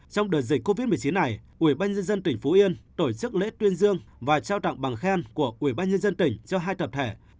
trong đợt dịch covid một mươi chín này ubnd tỉnh phú yên tổ chức lễ tuyên dương và trao tặng bằng khen của ubnd tỉnh cho hai tập thể